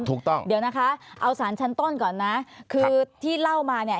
ถูกต้องเดี๋ยวนะคะเอาสารชั้นต้นก่อนนะคือที่เล่ามาเนี่ย